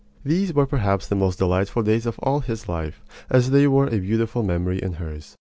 These were perhaps the most delightful days of all his life, as they were a beautiful memory in hers.